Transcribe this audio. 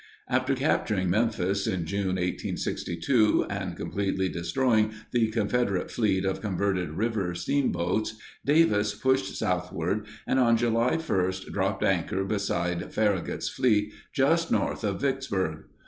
After capturing Memphis in June 1862 and completely destroying the Confederate fleet of converted river steamboats, Davis pushed southward and on July 1 dropped anchor beside Farragut's fleet just north of Vicksburg.